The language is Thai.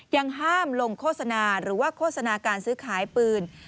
ยังห้ามลงโฆษณาหรือว่าโฆษณาการซื้อขายปืน